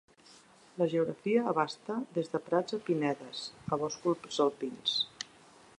La geografia abasta des de prats a pinedes, a boscos alpins.